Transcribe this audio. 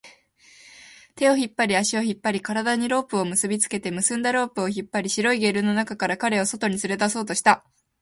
手を引っ張り、足を引っ張り、体にロープを結びつけて、結んだロープを引っ張り、白いゲルの中から彼を外に連れ出そうとした